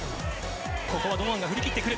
ここは堂安が振り切ってくる。